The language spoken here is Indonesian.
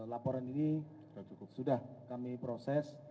laporan ini sudah kami proses